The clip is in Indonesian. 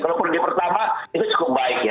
kalau prioritas pertama itu cukup baik ya